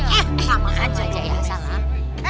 eh sama aja ya salah